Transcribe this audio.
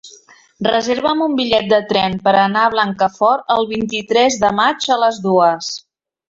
Reserva'm un bitllet de tren per anar a Blancafort el vint-i-tres de maig a les dues.